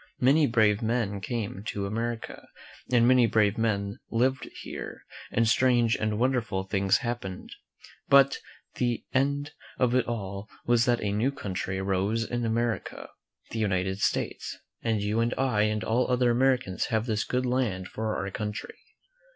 Many brave men came to America, and many brave men lived here, and strange and wonderful things hap pened; but the end of it all was that a new country arose in America — the United States, and you and I and all other Americans have this good land for our country.